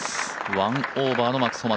１オーバーのマックス・ホマ